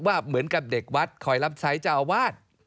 ว่าเหมือนกับเด็กวัดคอยรับชัยเจ้าวาด